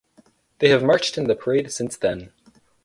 They have marched in the parade since then.